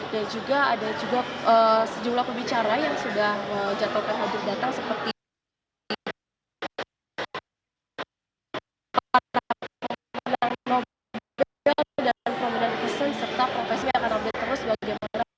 dan juga ada sejumlah pembicara yang sudah menjatuhkan hadir datang seperti